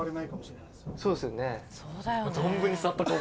そうですよね。